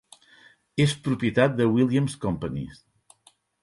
És propietat de Williams Companies.